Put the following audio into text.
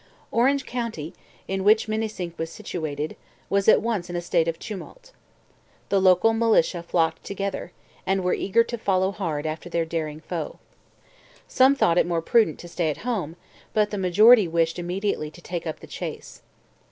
Orange county, in which Minisink was situated, was at once in a state of tumult. The local militia flocked together, and were eager to follow hard after their daring foe. Some thought it more prudent to stay at home, but the majority wished immediately to take up the chase.